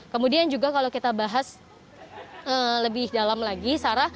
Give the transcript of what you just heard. kemudian juga kalau kita bahas lebih dalam lagi sarah